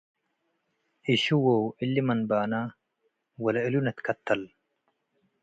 እሽዎ እሊ መንባና - ወለእሉ ንትከተል